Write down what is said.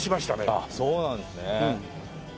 そうなんですね。